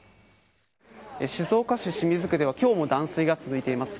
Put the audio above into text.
静岡市清水区では今日も断水が続いています。